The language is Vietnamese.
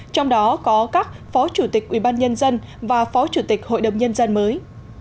trong đó có các phó chủ tịch ubnd và phó chủ tịch hội đồng nhân dân mới